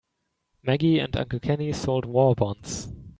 Maggie and Uncle Kenny sold war bonds.